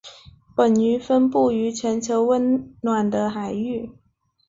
本鱼分布于全球温暖的海域。